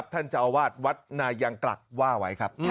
ท่านเจ้าอาวาสวัดนายังกลักว่าไว้ครับ